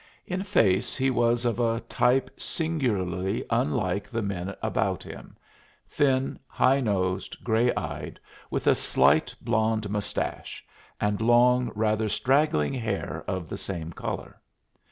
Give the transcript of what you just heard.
In face he was of a type singularly unlike the men about him; thin, high nosed, gray eyed, with a slight blond mustache, and long, rather straggling hair of the same color.